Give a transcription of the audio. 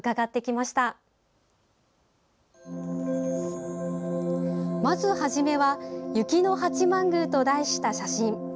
まず、初めは雪の八幡宮と題した写真。